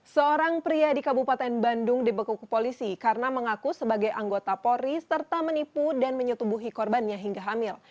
seorang pria di kabupaten bandung dibekuk polisi karena mengaku sebagai anggota polri serta menipu dan menyetubuhi korbannya hingga hamil